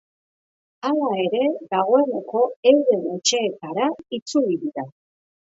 Hala ere, dagoeneko euren etxeetara itzuli dira.